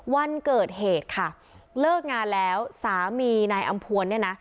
วันเกิดเหตุค่ะเลิกงานแล้วสามีนายอำพวนเนี่ยนะ